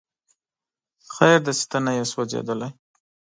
خیر دی چې ته نه یې سوځېدلی